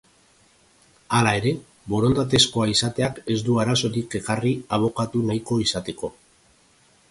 Hala ere, borondatezkoa izateak ez du arazorik ekarri abokatu nahiko izateko.